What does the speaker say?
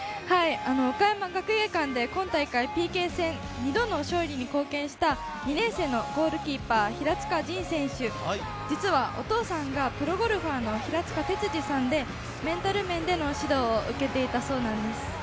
岡山学芸館で今大会ＰＫ戦、２度の勝利に貢献した２年生のゴールキーパー・平塚仁選手、実はお父さんがプロゴルファーの平塚哲二さんで、メンタル面での指導を受けていたそうなんです。